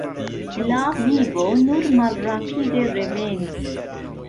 La vivo nur malrapide revenis.